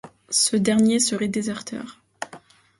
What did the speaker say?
Ce dernier serait déserteur.